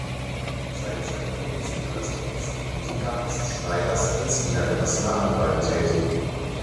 Seit seinem Rückzug als Berufspolitiker ist Schneiders als niedergelassener Anwalt tätig.